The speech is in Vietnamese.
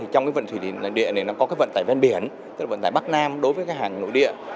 trong vận tải nội địa này có vận tải bên biển tức là vận tải bắc nam đối với hàng nội địa